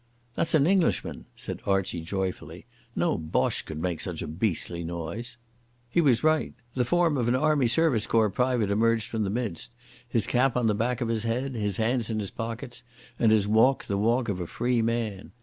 "That's an Englishman," said Archie joyfully. "No Boche could make such a beastly noise." He was right. The form of an Army Service Corps private emerged from the mist, his cap on the back of his head, his hands in his pockets, and his walk the walk of a free man.